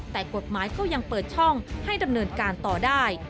แต่กฎหมายก็ยังเปิดช่องให้ดำเนินการต่อได้